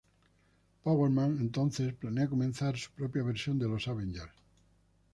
Power Man entonces planea comenzar su propia versión de los Avengers.